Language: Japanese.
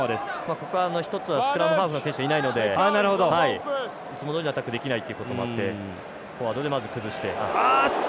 ここは、一つはスクラムハーフの選手がいないのでいつもどおりアタックできないっていうこともあってフォワードで、まず崩して。